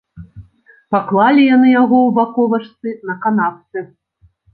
Паклалі яны яго ў баковачцы, на канапцы.